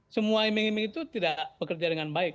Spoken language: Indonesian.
semua iming iming itu tidak bekerja dengan baik